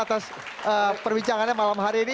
atas perbincangannya malam hari ini